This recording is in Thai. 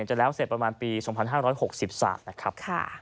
จะแล้วเสร็จประมาณปี๒๕๖๓นะครับ